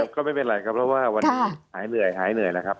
ก็ไม่เป็นไรครับเพราะว่าวันนี้หายเหนื่อยหายเหนื่อยแล้วครับ